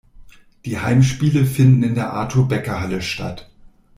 Die Heimspiele finden in der Artur-Becker-Halle statt.